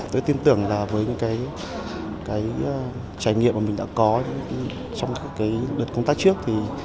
tôi tin tưởng là với những trải nghiệm mà mình đã có trong lượt công tác trước